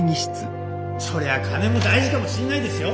そりゃ金も大事かもしんないですよ。